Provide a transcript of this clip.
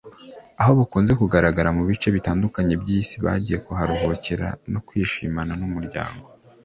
aho bakunze kugaragara mu bice bitandukanye by’isi bagiye kuharuhukira no kwishimana nk’umuryango